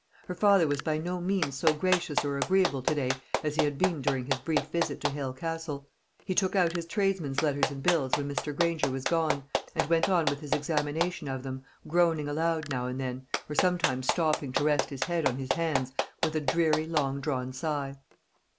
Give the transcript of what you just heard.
Her father was by no means so gracious or agreeable to day as he had been during his brief visit to Hale Castle. He took out his tradesmen's letters and bills when Mr. Granger was gone, and went on with his examination of them, groaning aloud now and then, or sometimes stopping to rest his head on his hands with a dreary long drawn sigh.